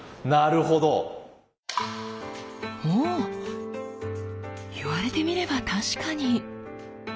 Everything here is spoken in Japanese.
ほぉ言われてみれば確かに。